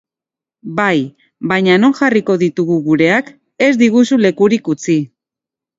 Hamazazpiak eguerdian bildu dira.